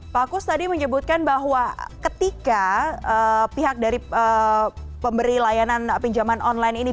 pak kus tadi menyebutkan bahwa ketika pihak dari pemberi layanan pinjaman online ini